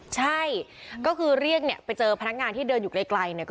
ใช่ก็คือเรียกไปเจอพนักงานที่เดินอยู่ไกล